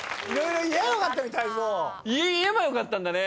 言えばよかったんだね。